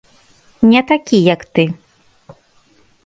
Не такі, як ты.